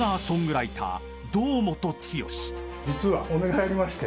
実はお願いありまして。